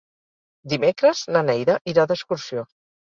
Dimecres na Neida irà d'excursió.